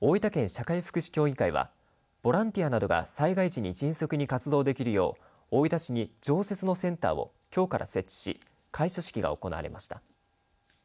社会福祉協議会はボランティアなどが災害時に迅速に活動できるよう大分市に常設のセンターをきょうから設置し開所式が行われました。